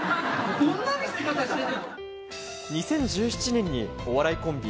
２０１７年にお笑いコンビ